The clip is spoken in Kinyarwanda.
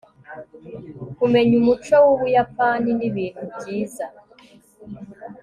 kumenya umuco wubuyapani nibintu byiza